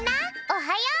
おはよう！